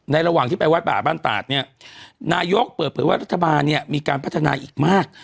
ระหว่างที่ไปวัดป่าบ้านตาดเนี่ยนายกเปิดเผยว่ารัฐบาลเนี่ยมีการพัฒนาอีกมาก